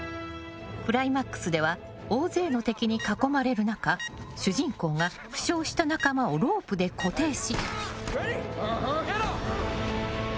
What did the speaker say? クライマックスでは大勢の敵に囲まれる中主人公が負傷した仲間をロープで固定し。